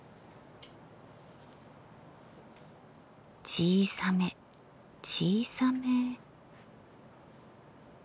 小さめ小さめ。